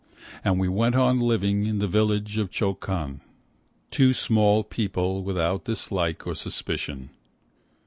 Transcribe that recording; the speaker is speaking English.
And we went on living in the village of Chokan : Two small people, without dislike or suspicion.